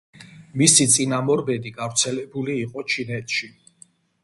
მისი წინამორბედი გავრცელებული იყო ჩინეთში.